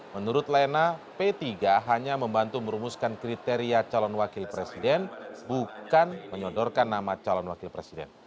menurut lena p tiga hanya membantu merumuskan kriteria calon wakil presiden bukan menyodorkan nama calon wakil presiden